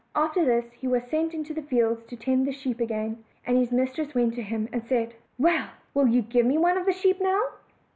After this he was sent into the fields to tend the shee*p again, and his mistress went to him, and said: '; 'Well! will you give me one of the sheep now?"